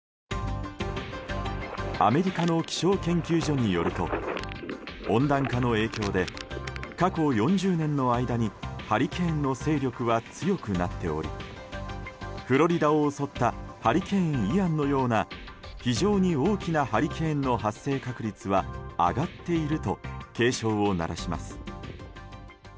アメリカの気象研究所によると温暖化の影響で過去４０年の間にハリケーンの勢力は強くなっておりフロリダを襲ったハリケーン、イアンのような非常に大きなハリケーンの発生確率は上がっていると警鐘を鳴らします。